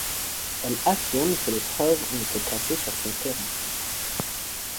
Elle affirme que les preuves ont été placées sur son terrain.